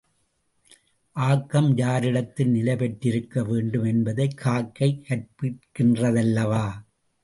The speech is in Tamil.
ஆக்கம் யாரிடத்தில் நிலைபெற்றிருக்க வேண்டும் என்பதைக் காக்கை கற்பிக்கின்றதல்லவா?